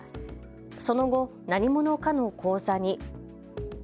その後、何者かの口座に。